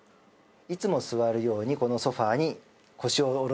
いつも座るようにこのソファに。